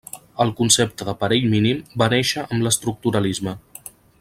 El concepte de parell mínim va néixer amb l'estructuralisme.